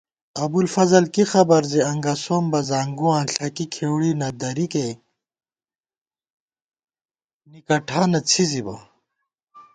ابُوالفضل کی خبر زی انگَسوم بہ زانگُواں ݪَکی کھېوڑی نہ درِکےنِکہ ٹھانہ څھِزِبہ